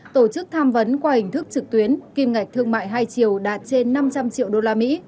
tổ chức tham vấn qua hình thức trực tuyến kim ngạch thương mại hai triều đạt trên năm trăm linh triệu usd